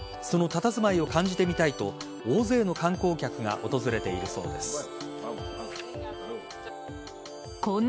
そのたたずまいを感じてみたいと大勢の観光客が訪れているそうです。